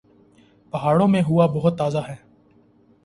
پہاڑوں میں ہوا بہت تازہ ہے۔